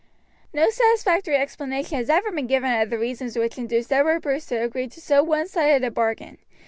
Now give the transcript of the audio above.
No satisfactory explanation has ever been given of the reasons which induced Edward Bruce to agree to so one sided a bargain.